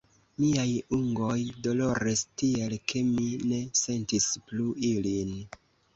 Miaj ungoj doloris tiel, ke mi ne sentis plu ilin.